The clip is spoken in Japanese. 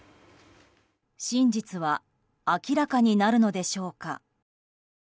真実は明らかになるのでしょうか。